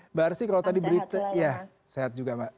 mbak arsi kalau tadi berita ya sehat juga mbak